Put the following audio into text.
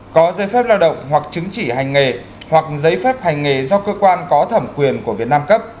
có giấy phép lao động hoặc chứng chỉ hành nghề hoặc giấy phép hành nghề do cơ quan có thẩm quyền của việt nam cấp